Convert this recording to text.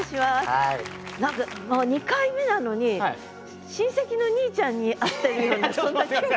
何か２回目なのに親戚のにいちゃんに会ってるようなそんな気分に。